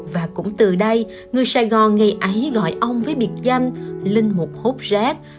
và cũng từ đây người sài gòn ngày ấy gọi ông với biệt danh linh một hốt rác